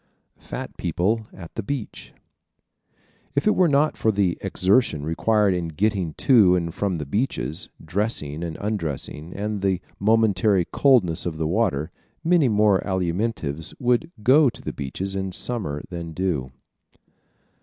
Fat People at the Beach ¶ If it were not for the exertion required in getting to and from the beaches, dressing and undressing, and the momentary coldness of the water, many more Alimentives would go to the beaches in Summer than do.